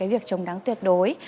việc trồng đắng tuyệt đối